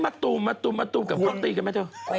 ไอ้มัตตูกับพร้อมตีกันไหมเจ้า